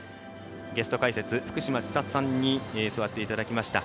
ゲスト、解説、福島千里さんに座っていただきました。